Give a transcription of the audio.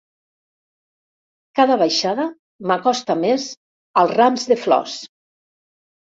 Cada baixada m'acosta més als rams de flors.